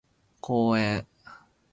公園